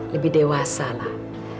lebih dewasa lah